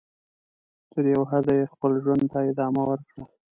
تر یوه حده یې خپل ژوند ته ادامه ورکړه.